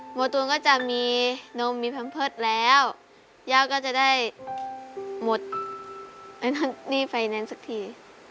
หมดตัวล่ะก็จะมีนมมีแพรมเพิศแล้วย่าก็จะได้หมดนอนเนี่ยไฟแนนซักที